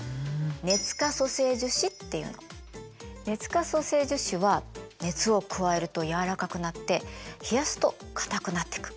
熱可塑性樹脂は熱を加えると軟らかくなって冷やすと硬くなってく。